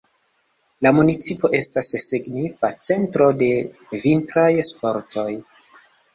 La municipo estas signifa centro de vintraj sportoj.